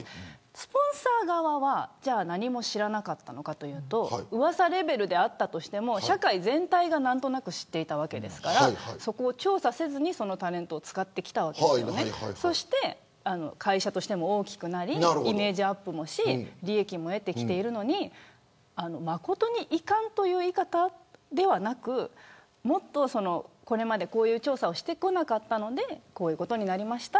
スポンサー側はじゃあ何も知らなかったのかというとうわさレベルであったとしても社会全体が何となく知っていたわけですからそこを調査せずにそのタレントを使ってきたわけで会社としても大きくなってイメージアップもして利益も得てきているのに誠に遺憾という言い方ではなくてもっと、これまでこういう調査をしてこなかったのでこういうことになりました。